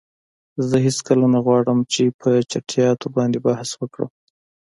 زه هیڅکله نه غواړم چې په چټییاتو باندی بحث وکړم.